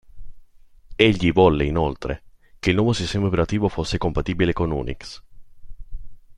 Egli volle inoltre che il nuovo sistema operativo fosse compatibile con Unix.